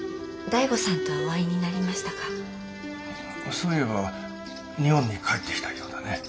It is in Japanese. そういえば日本に帰ってきたようだね。